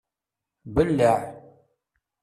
Belleɛ!